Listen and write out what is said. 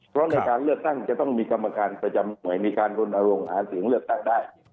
เพราะในการเลือกตั้งจะต้องมีกรรมการประจำหน่วยมีการรณรงค์หาเสียงเลือกตั้งได้